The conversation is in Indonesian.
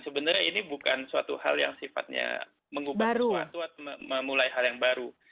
sebenarnya ini bukan suatu hal yang sifatnya mengubah sesuatu atau memulai hal yang baru